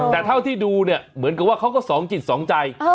แต่เท่าที่ดูเนี่ยเหมือนกับว่าเขาก็สองจิตสองใจ